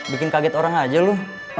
bikin kaget orang aja loh